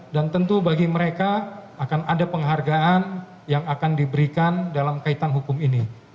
dan tentu bagi mereka akan ada penghargaan yang akan diberikan dalam kaitan hukum ini